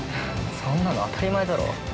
◆そんなの当たり前だろ。